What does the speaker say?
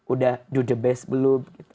udah do the best belum